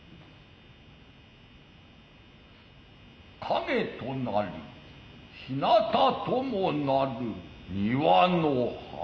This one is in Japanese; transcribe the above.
「影となりひなたともなる庭の花」。